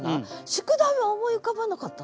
「宿題」は思い浮かばなかったの？